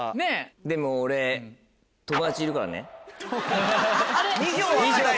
でも俺友達いるからね。